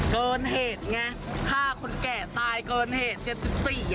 เกินเหตุไงฆ่าคนแก่ตายเกินเหตุ๗๔อ่ะ